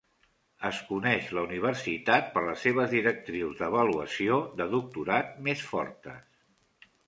Es coneix la universitat per les seves directrius d'avaluació de doctorat més fortes.